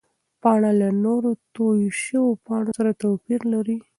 پاڼه له نورو تویو شوو پاڼو سره توپیر لري.